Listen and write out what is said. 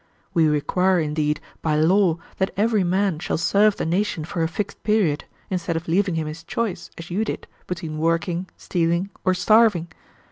We require, indeed, by law that every man shall serve the nation for a fixed period, instead of leaving him his choice, as you did, between working, stealing, or starving.